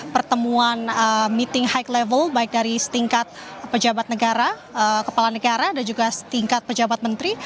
pertemuan meeting high level baik dari setingkat pejabat negara kepala negara dan juga setingkat pejabat menteri